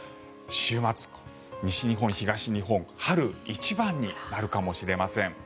週末、西日本、東日本春一番になるかもしれません。